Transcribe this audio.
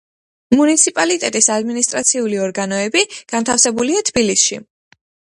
მუნიციპალიტეტის ადმინისტრაციული ორგანოები განთავსებულია თბილისში.